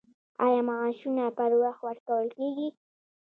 آیا معاشونه پر وخت ورکول کیږي؟